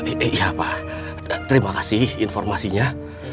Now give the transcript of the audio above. iya pak terima kasih informasinya